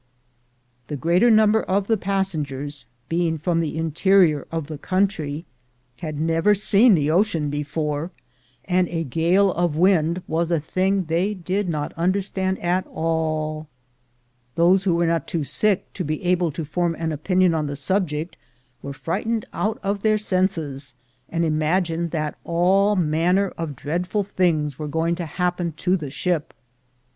The greater part of the passengers, being from the interior of the country, had never seen the ocean 18 THE GOLD HUNTERS before, and a gale of wind was a thing they did not understand at all. Those who were not too sick to be able to form an opinion on the subject, were frightened out of their senses, and imagined that all manner of dreadful things were going to happen to the ship.